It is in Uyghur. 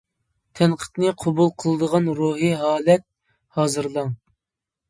تەنقىدنى قوبۇل قىلىدىغان روھى ھالەت ھازىرلاڭ.